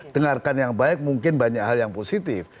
dengarkan yang baik mungkin banyak hal yang positif